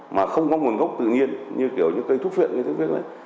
mà không có nguồn gốc tự nhiên như kiểu như cây thuốc phiện cây thuốc phiên đấy